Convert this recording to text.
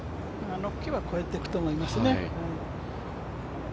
あの木は越えていくと思いますね。